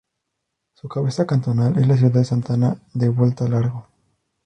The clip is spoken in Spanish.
Su cabecera cantonal es la ciudad de Santa Ana de Vuelta Larga.